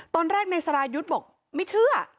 ตอนแรกนายสรายุทธ์บอกไม่เชื่อ